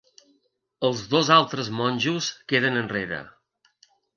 Els dos altres monjos queden enrere.